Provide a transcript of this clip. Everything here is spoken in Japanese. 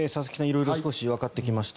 色々、少しわかってきました。